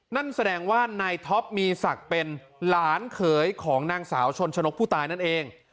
นั่นแสดงว่านายท็อปมีศักดิ์เป็นหลานเขยของนางสาวชนชนกผู้ตายนั่นเอง